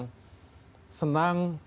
bukanlah termasuk kelompok yang senang